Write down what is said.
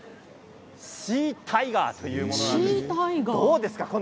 シータイガーというものです。